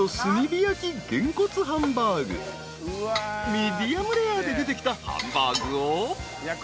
［ミディアムレアで出てきたハンバーグを］